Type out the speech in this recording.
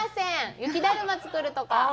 雪だるま作るとか？